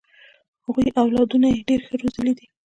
هغوی اولادونه یې ډېر ښه روزلي دي.